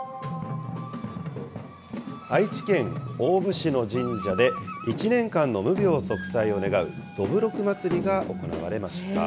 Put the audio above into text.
愛知県大府市の神社で、１年間の無病息災を願うどぶろくまつりが行われました。